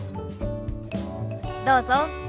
どうぞ。